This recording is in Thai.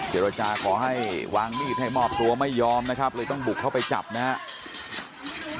เจรจาขอให้วางมีดให้มอบตัวไม่ยอมนะครับเลยต้องบุกเข้าไปจับนะครับ